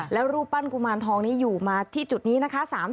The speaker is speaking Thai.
แล้วรูปปั้นกุมารทองนี้อยู่มาที่จุดนี้นะคะ